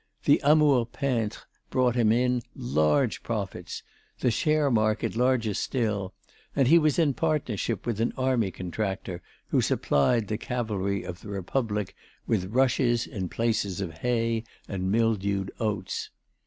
The Amour peintre brought him in large profits, the share market larger still, and he was in partnership with an army contractor who supplied the cavalry of the Republic with rushes in place of hay and mildewed oats.